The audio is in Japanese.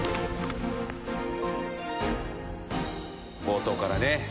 冒頭からね